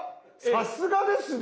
さすがですね。